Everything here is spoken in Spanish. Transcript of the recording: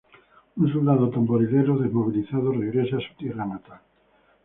Un soldado-tamborilero desmovilizado regresa a su tierra natal.